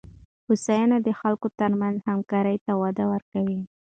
هوساینه د خلکو ترمنځ همکارۍ ته وده ورکوي.